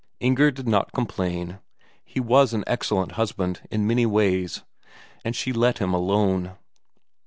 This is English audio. Inger did not complain; he was an excellent husband in many ways, and she let him alone.